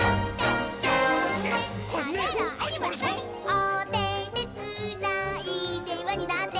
「おててつないでわになって」